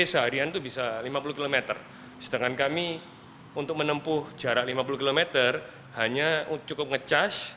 seharian itu bisa lima puluh km sedangkan kami untuk menempuh jarak lima puluh km hanya cukup ngecas